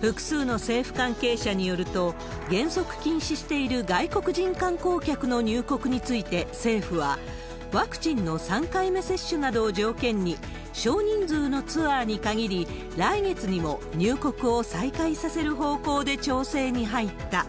複数の政府関係者によると、原則禁止している外国人観光客の入国について政府は、ワクチンの３回目接種などを条件に、少人数のツアーに限り、来月にも入国を再開させる方向で調整に入った。